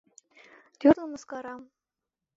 Тӱрлӧ мыскарам